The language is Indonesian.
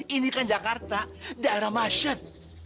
ini kan jakarta daerah masyat